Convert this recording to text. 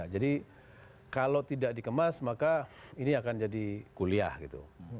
jadi kalau tidak dikemas maka ini akan jadi kuliah gitu